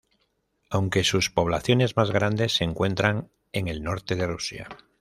Aunque sus poblaciones más grandes se encuentran en el norte de Rusia.